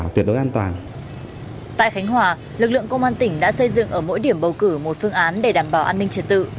tại khánh hòa lực lượng công an tỉnh đã xây dựng ở mỗi điểm bầu cử một phương án để đảm bảo an ninh trật tự